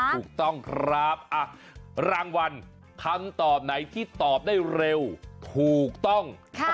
ถูกต้องครับรางวัลคำตอบไหนที่ตอบได้เร็วถูกต้อง